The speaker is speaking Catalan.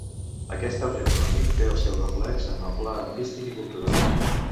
Aquest auge econòmic té el seu reflex en el pla artístic i cultural.